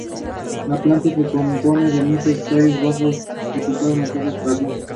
Se encuentra en una estribación de la Sierra La Culata.